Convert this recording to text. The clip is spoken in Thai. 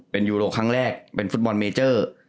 เป็นยูโรครั้งแรกเป็นฟุตบอลเมเจอร์